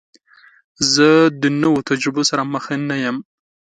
زه د نوو تجربو سره مخ نه یم.